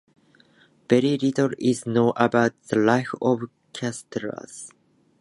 Very little is known about the life of Casteels.